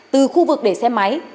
từ khu vực để xe máy